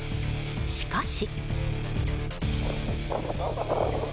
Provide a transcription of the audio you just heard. しかし。